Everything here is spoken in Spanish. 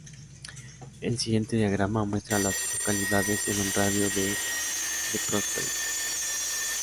El siguiente diagrama muestra a las localidades en un radio de de Prosperity.